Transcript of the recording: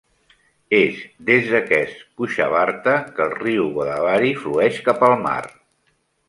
És des d'aquest Kushavarta que el riu Godavari flueix cap al mar.